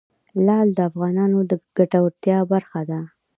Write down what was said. لعل د افغانانو د ګټورتیا برخه ده.